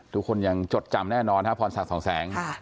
ทุกคนยังจดจำแน่นอนฮะพรศักดิ์สองแสง